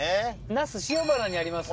那須塩原にあります。